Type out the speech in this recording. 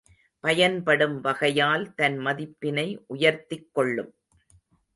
பயன்படும் வகையால் தன் மதிப்பினை உயர்த்திக் கொள்ளும்.